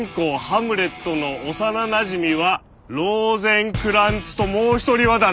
ハムレットの幼なじみはローゼンクランツともう一人は誰？